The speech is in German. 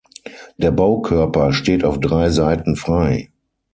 Der Baukörper steht auf drei Seiten frei.